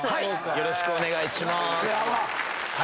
よろしくお願いします。